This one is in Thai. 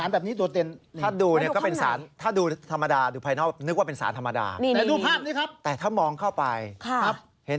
เห็นไหมครับสารแบบนี้ตัวเต็น